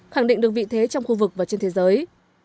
khẳng định được vị thế trong khu vực và trên thế giới